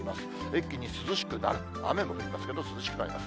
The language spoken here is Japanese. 一気に涼しくなる、雨も降りますけど、涼しくなります。